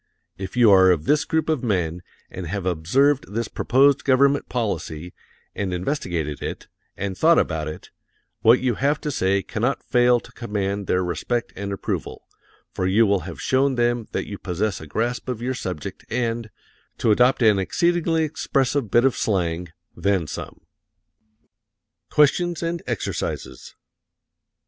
If you are of this group of men, and have observed this proposed government policy, and investigated it, and thought about it, what you have to say cannot fail to command their respect and approval, for you will have shown them that you possess a grasp of your subject and to adopt an exceedingly expressive bit of slang then some. QUESTIONS AND EXERCISES 1.